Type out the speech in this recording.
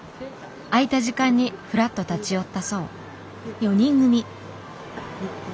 空いた時間にふらっと立ち寄ったそう。